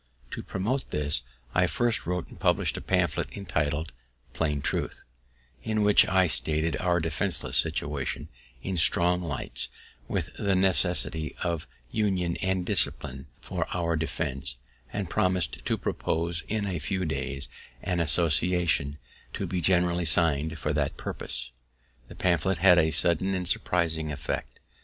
To promote this, I first wrote and published a pamphlet, entitled Plain Truth, in which I stated our defenceless situation in strong lights, with the necessity of union and discipline for our defense, and promis'd to propose in a few days an association, to be generally signed for that purpose. The pamphlet had a sudden and surprising effect.